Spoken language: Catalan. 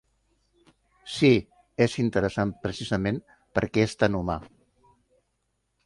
Sí, és interessant precisament perquè és tan humà.